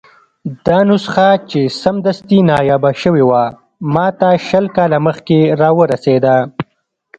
دا نسخه چې سمدستي نایابه شوې وه، ماته شل کاله مخکې راورسېده.